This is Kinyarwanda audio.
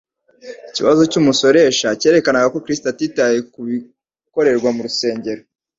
Ikibazo cy'umusoresha cyerekanaga ko Kristo atitaye ku bikorerwa mu rusengero;